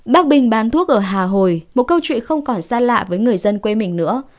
bác bình bán thuốc ở hà hồi một câu chuyện không còn xa lạ với người dân quê mình nữa